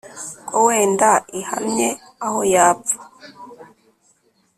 ko wenda ihamye aho yapfa,